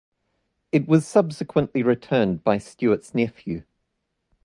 It was subsequently returned by Steuart's nephew.